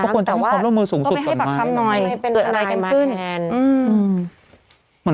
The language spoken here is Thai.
ใช่เพื่อนมีความร่วมมือสูงสุดก่อนมาอย่างแล้ว